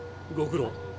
ご苦労。